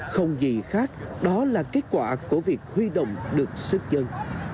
không gì khác đó là kết quả của việc huy động được sức dân